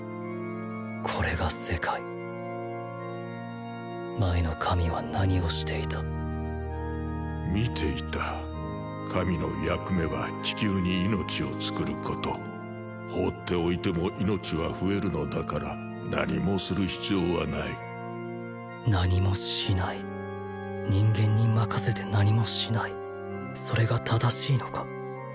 これが世界前の神は何をしていた見ていた神の役目は地球に命をつくること放っておいても命は増えるのだから何もする必要はない何もしない人間に任せて何もしないそれが正しいのか？